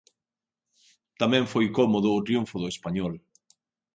Tamén foi cómodo o triunfo do Español.